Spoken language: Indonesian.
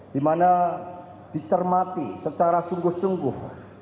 dimana dicermati secara sungguh sungguh